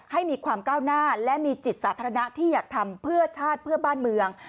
ให้มีความก้าวหน้าและมีจิตสาธารณะที่อยากทำเพื่อชาติเพื่อบ้านเมือง